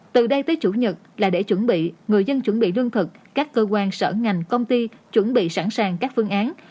từ đây tới chủ nhật là để chuẩn bị người dân chuẩn bị lương thực các cơ quan sở ngành công ty chuẩn bị sẵn sàng các phương án